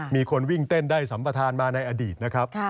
มีคนวิ่งเต้นได้สัมประธานมาในอดีตนะครับ